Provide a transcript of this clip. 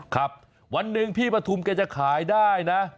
ครับวันหนึ่งพี่ปฐุมแกจะขายได้นะ